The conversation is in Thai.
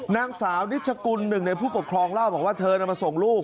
นางสาวนิชกุลหนึ่งในผู้ปกครองเล่าบอกว่าเธอนำมาส่งลูก